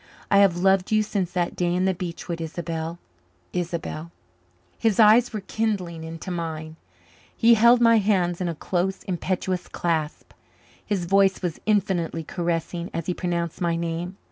I have loved you since that day in the beech wood, Isobel Isobel." His eyes were kindling into mine. He held my hands in a close, impetuous clasp. His voice was infinitely caressing as he pronounced my name.